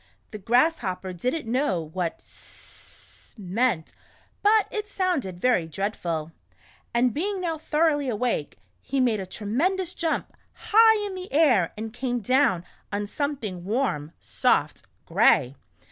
The Grasshopper did n't know what "hssssssss" meant, but it sounded very dreadful, and being now thoroughly awake, he made a tremendous jump, high in the air, and came down — on some thing warm, soft, gray!